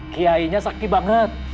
kiainya sakti banget